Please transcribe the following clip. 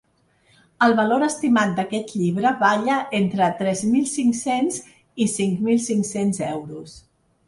El valor estimat d’aquest llibre balla entre tres mil cinc-cents i cinc mil cinc-cents euros.